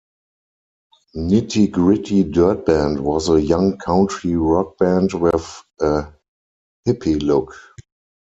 Nitty Gritty Dirt Band was a young country-rock band with a hippie look.